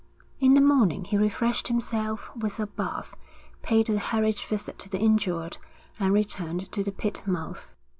In the morning he refreshed himself with a bath, paid a hurried visit to the injured, and returned to the pit mouth.